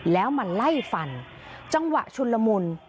แล้วมาไล่ฟันจังหวะชุนละมุน